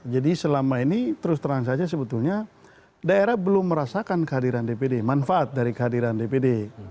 jadi selama ini terus terang saja sebetulnya daerah belum merasakan kehadiran dpr manfaat dari kehadiran dpr